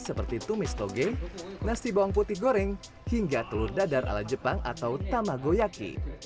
seperti tumis toge nasi bawang putih goreng hingga telur dadar ala jepang atau tamagoyaki